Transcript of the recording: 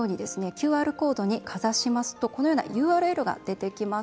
ＱＲコードにかざしますとこのようなＵＲＬが出てきます。